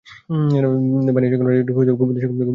বানিয়াচং রাজ্যটি গোবিন্দ সিংহ প্রতিষ্ঠা করেছিলেন।